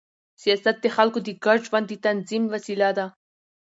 سیاست د خلکو د ګډ ژوند د تنظیم وسیله ده